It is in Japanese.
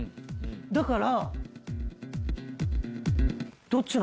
だから。